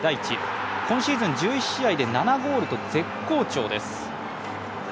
今シーズン１１試合で７ゴールと絶好調です。